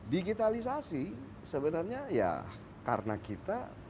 digitalisasi sebenarnya ya karena kita